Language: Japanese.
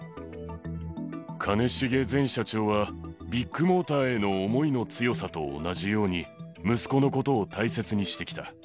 兼重前社長は、ビッグモーターへの思いの強さと同じように、息子のことを大切にしてきた。